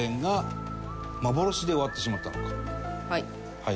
はい。